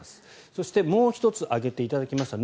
そして、もう１つ挙げていただきました